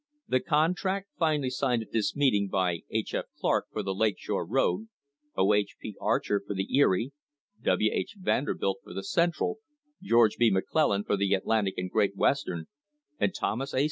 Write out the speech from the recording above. The contract finally signed at this meeting by H. F. Clark for the Lake Shore road, O. H. P. Archer for the Erie, W. H. Vanderbilt for the Central, George B. McClellan for the Atlantic and Great Western, and Thomas A.